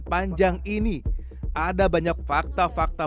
sepanjang ini ada banyak fakta fakta